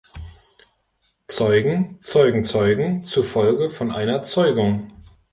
Zeugen zeugen Zeugen zufolge von einer Zeugung.